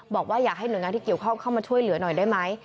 บอกว่าอยากให้หน่วยงานที่เกี่ยวข้องเข้ามาช่วยเหลือหน่อยได้ไหม